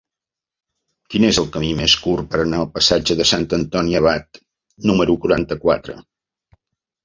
Quin és el camí més curt per anar al passatge de Sant Antoni Abat número quaranta-quatre?